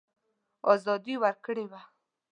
آزادي ورکړې وه.